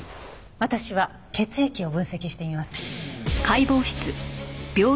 私は血液を分析してみます。